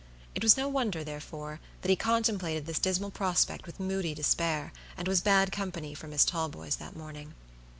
It was no wonder, therefore, that he contemplated this dismal prospect with moody despair, and was bad company for Miss Talboys that morning.